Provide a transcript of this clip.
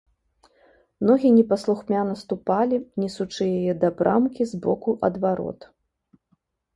Ногі непаслухмяна ступалі, несучы яе да брамкі з боку ад варот.